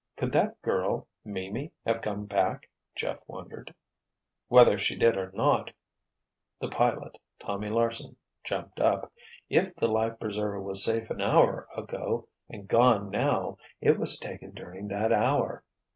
"Could that girl, Mimi, have come back?" Jeff wondered. "Whether she did or not," the pilot, Tommy Larsen, jumped up, "if the life preserver was safe an hour ago, and gone now, it was taken during that hour.